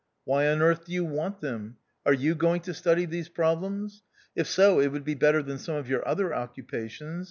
Why on earth do you want them ? Are you going to study these problems ? If so, it would be better than some of your other occupations.